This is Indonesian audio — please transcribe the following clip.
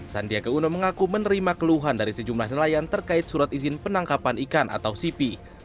sandiaga uno mengaku menerima keluhan dari sejumlah nelayan terkait surat izin penangkapan ikan atau sipi